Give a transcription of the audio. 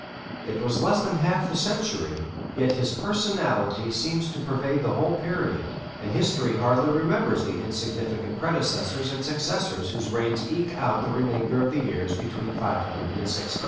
It was less than half the century, yet his personality seems to pervade the whole period, and history hardly remembers the insignificant predecessors and successors whose reigns eke out the remainder of the years between 500 and 600.